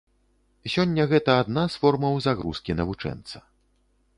Сёння гэта адна з формаў загрузкі навучэнца.